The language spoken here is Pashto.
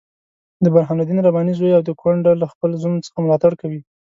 د برهان الدین رباني زوی او کونډه له خپل زوم څخه ملاتړ کوي.